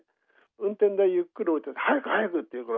運転台ゆっくり降りたら「早く早く！」って言うから「何で早く？」